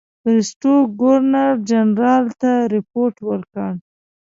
بریسټو ګورنرجنرال ته رپوټ ورکړ.